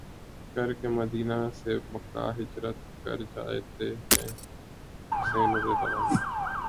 کرکے مدینہ سے مکہ ہجرت کر جاتے ہیں حسین رض